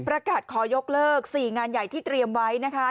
ประกาศขอยกเลิก๔งานใหญ่ที่เตรียมไว้นะคะ